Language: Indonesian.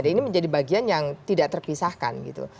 ini menjadi bagian yang tidak terpisahkan gitu